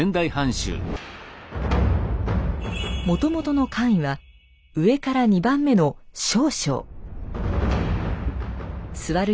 もともとの官位は上から２番目の「少将」。